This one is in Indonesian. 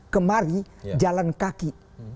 kemari jalan kaki